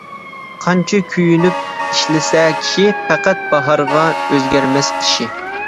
قانچە كۆيۈنۈپ ئىشلىسە كىشى، پەقەت باھارغا ئۆزگەرمەس قىشى.